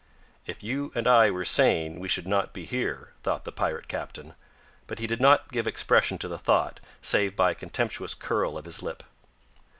"If you and I were sane, we should not be here," thought the pirate captain; but he did not give expression to the thought, save by a contemptuous curl of his lip.